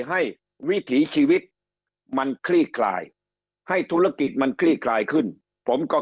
วิถีชีวิตมันคลี่คลายให้ธุรกิจมันคลี่คลายขึ้นผมก็